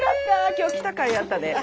今日来たかいあったね。